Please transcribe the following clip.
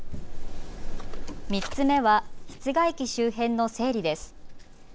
３つ目は室外機周辺の整理です。